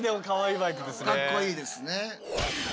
かっこいいですね。